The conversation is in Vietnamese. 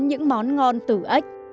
những món ngon tử ếch